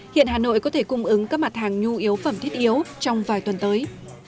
hiện hà nội có thể cung ứng các mặt hàng nhu yếu phẩm thiết yếu trong vài tuần tới